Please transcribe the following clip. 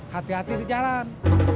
hati hati di jalan